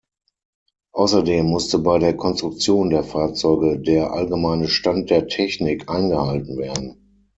Außerdem musste bei der Konstruktion der Fahrzeuge der "allgemeine Stand der Technik" eingehalten werden.